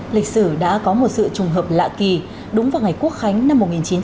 lịch sử đã có một sự trùng hợp lạ kỳ đúng vào ngày quốc khánh năm một nghìn chín trăm bảy mươi